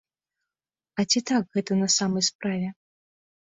А ці так гэта на самай справе?